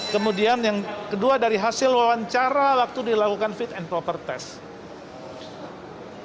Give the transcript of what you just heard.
kemudian yang kedua dari hasil wawancara waktu dilakukan fit and proper test